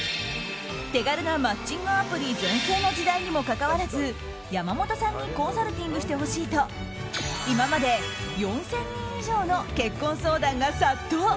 手軽なマッチングアプリ全盛の時代にもかかわらず山本さんにコンサルティングしてほしいと今まで４０００人以上の結婚相談が殺到。